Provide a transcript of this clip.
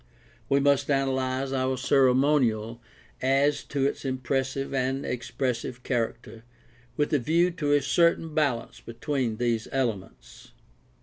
We must analyze our ceremonial as to its impressive or expressive character with a view to a certain balance between these elements.